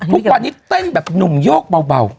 ทุกวันนี้เต้นแบบหนุ่มโยกเบา